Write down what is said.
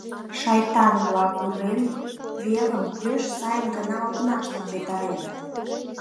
— Шайтан-влак, урем велым пеш сайын гына окнаштым петыреныт.